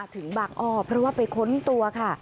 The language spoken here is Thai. ถึงบางอ้อเพราะว่าไปค้นตัวค่ะ